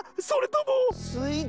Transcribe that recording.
それとも。